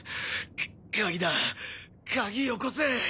か鍵だ鍵よこせ。